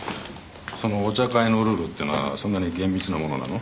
そのお茶会のルールってのはそんなに厳密なものなの？